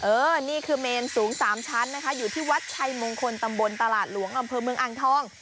นี่คือเมนสูง๓ชั้นนะคะอยู่ที่วัดชัยมงคลตำบลตลาดหลวงอำเภอเมืองอ่างทอง